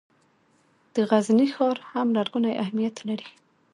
د غزني ښار هم لرغونی اهمیت لري.